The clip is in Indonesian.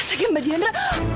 sege mbak diara